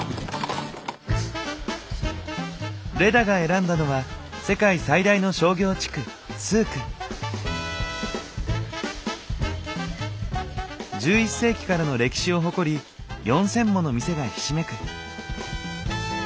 レダが選んだのは１１世紀からの歴史を誇り４，０００もの店がひしめく。